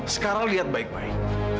sekarang lihat baik baik